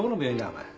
お前。